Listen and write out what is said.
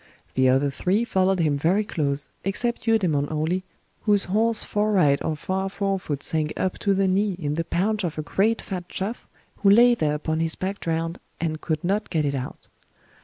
The other three followed him very close, except Eudemon only, whose horse's fore right or far forefoot sank up to the knee in the paunch of a great fat chuff who lay there upon his back drowned, and could not get it out.